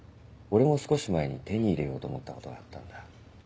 俺も少し前に手に入れようと思ったことがあったんだ。